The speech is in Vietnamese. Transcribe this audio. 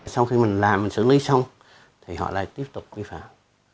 sau khi mình làm mình xử lý xong thì họ lại tiếp tục vi phạm